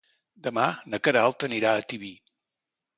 Demà na Queralt anirà a Tibi.